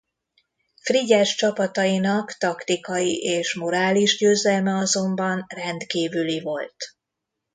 Frigyes csapatainak taktikai és morális győzelme azonban rendkívüli volt.